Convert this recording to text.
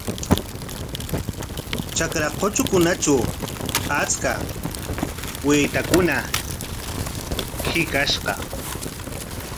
Trakra kutrunkunatraw achka waytakuna hiqashqa.